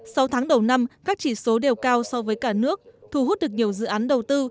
sau tháng đầu năm các chỉ số đều cao so với cả nước thu hút được nhiều dự án đầu tư